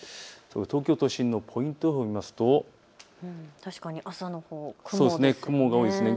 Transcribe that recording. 東京都心のポイント予報を見ますと雲が多いですね。